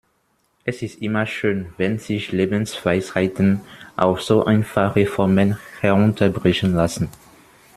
Es ist immer schön, wenn sich Lebensweisheiten auf so einfache Formeln herunterbrechen lassen.